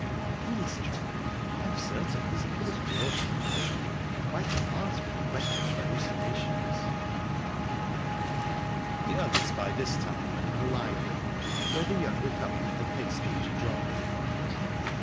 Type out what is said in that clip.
"Please try. I'm certain he's an extraordinary man, quite apart from the question of hallucinations." The others by this time were in the library, where the younger couple hastened to join them.